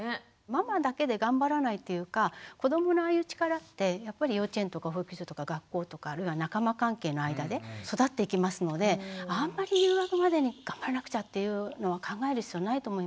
ママだけで頑張らないっていうか子どものああいう力ってやっぱり幼稚園とか保育所とか学校とかあるいは仲間関係の間で育っていきますのであんまり入学までに頑張らなくちゃっていうのは考える必要ないと思います。